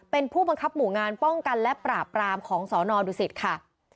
เป็นผู้บังคับหมู่งานป้องกันและปราบรามของสนดุสิตค่ะ